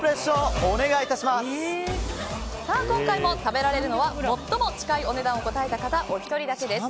今回も食べられるのは最も近いお値段を答えた方お一人だけです。